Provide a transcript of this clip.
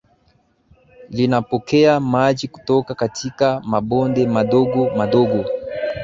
linapokea maji kutoka katika mabonde madogo madogo